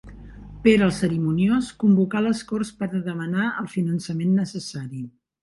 Pere el Cerimoniós, convocà les Corts per a demanar el finançament necessari.